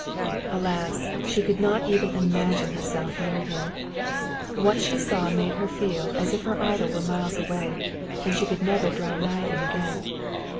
Alas! she could not even imagine herself near him. What she saw made her feel as if her idol were miles away, and she could never draw nigh him again.